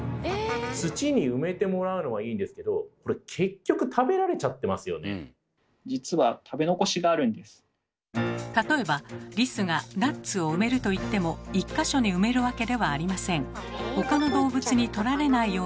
土に埋めてもらうのはいいんですけどじつは例えばリスがナッツを埋めるといっても１か所に埋めるわけではありません。